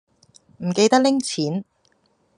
唔記得拎錢